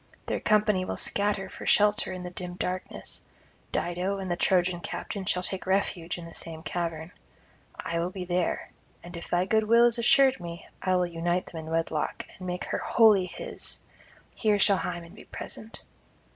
Their company will scatter for shelter in the dim darkness; Dido and the Trojan captain [125 159]shall take refuge in the same cavern. I will be there, and if thy goodwill is assured me, I will unite them in wedlock, and make her wholly his; here shall Hymen be present.'